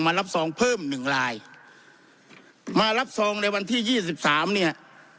มารับซองเพิ่ม๑ลายมารับซองในวันที่๒๓เนี่ย